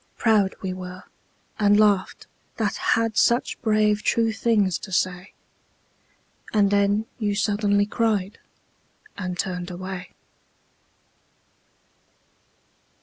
... Proud we were, And laughed, that had such brave true things to say. And then you suddenly cried, and turned away.